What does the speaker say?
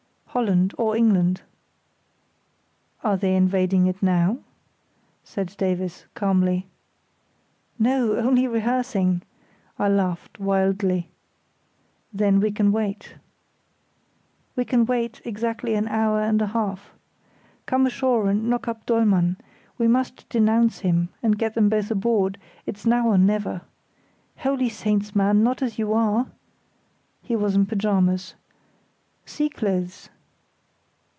"Holland, or England." "Are they invading it now?" said Davies, calmly. "No, only rehearsing!" I laughed, wildly. "Then we can wait." "We can wait exactly an hour and a half. Come ashore and knock up Dollmann; we must denounce him, and get them both aboard; it's now or never. Holy Saints! man, not as you are!" (He was in pyjamas.) "Sea clothes!"